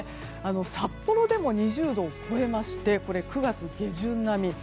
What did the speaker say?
札幌でも２０度を超えまして９月下旬並み。